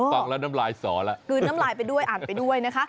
ปักแล้วน้ำรายสอคืนน้ำรายอ่านไปด้วย